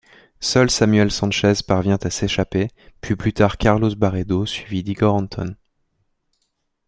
Seul Samuel Sánchez parvient à s'échapper, puis plus tard Carlos Barredo suivi d'Igor Antón.